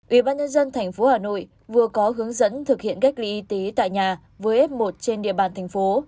ubnd tp hà nội vừa có hướng dẫn thực hiện cách ly y tế tại nhà với f một trên địa bàn thành phố